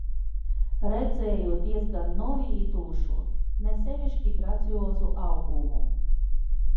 Redzēju diezgan novītušu, ne sevišķi graciozu augumu.